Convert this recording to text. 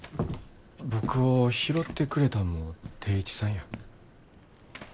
僕を拾ってくれたんも定一さんや。